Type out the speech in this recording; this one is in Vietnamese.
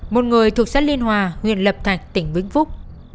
một người thuộc xã liên hòa huyện lập thạch tỉnh vĩnh phúc